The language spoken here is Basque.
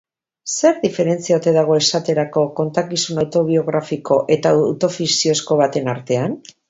Zer diferentzia ote dago, esaterako, kontakizun autobiografiko eta autofikziozko baten artean?